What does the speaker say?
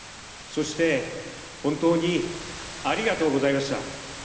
そして、本当にありがとうございました。